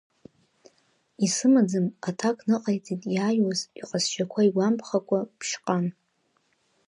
Исымаӡам, аҭак ныҟаиҵеит иааиуаз иҟазшьақәа игәамԥхакәа Ԥшьҟан.